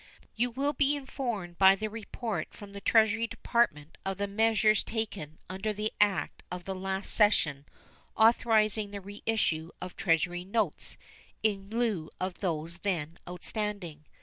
You will be informed by the report from the Treasury Department of the measures taken under the act of the last session authorizing the reissue of Treasury notes in lieu of those then outstanding.